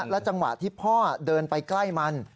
จังหวะที่พ่อเดินไปใกล้มัน